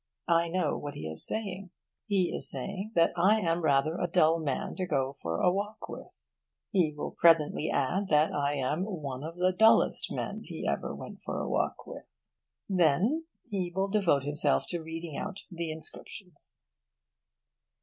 I know what he is saying. He is saying that I am rather a dull man to go a walk with. He will presently add that I am one of the dullest men he ever went a walk with. Then he will devote himself to reading out the inscriptions.